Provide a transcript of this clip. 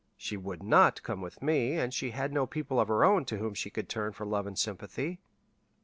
She would not come with me, and she had no people of her own to whom she could turn for love and sympathy.